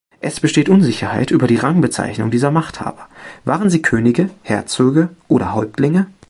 Es besteht Unsicherheit über die Rangbezeichnung dieser Machthaber: Waren sie Könige, Herzöge oder Häuptlinge?